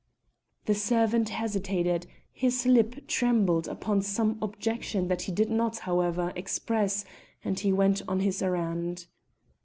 The servant hesitated, his lip trembled upon some objection that he did not, however, express, and he went on his errand.